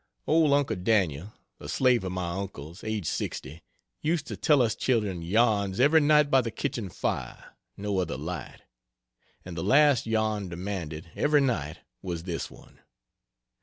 Old Uncle Dan'l, a slave of my uncle's' aged 60, used to tell us children yarns every night by the kitchen fire (no other light;) and the last yarn demanded, every night, was this one.